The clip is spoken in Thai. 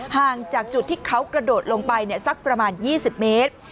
ห่างจากจุดที่เขากระโดดลงไปสักประมาณ๒๐เมตร